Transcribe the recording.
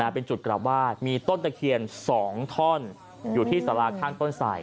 เป็นจุดกลับบ้านมีต้นตะเคียน๒ท่อนอยู่ที่สาราข้างต้นสาย